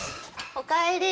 おかえり。